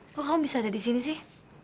kok kamu bisa ada di sini sih